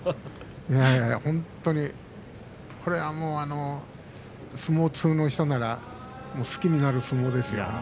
本当に相撲通の人なら好きな相撲ですよ。